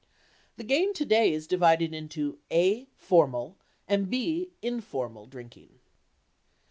The game today is divided into (a) formal and (b) informal drinking.